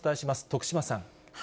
徳島さん。